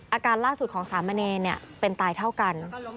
อาการล่าสุดของสามเณรเป็นตายเท่ากัน